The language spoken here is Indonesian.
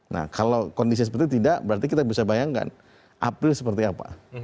nah kalau kondisi seperti tidak berarti kita bisa bayangkan april seperti apa